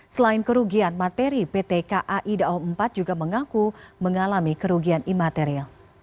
selain kerugian materi pt kai daob empat juga mengaku mengalami kerugian imaterial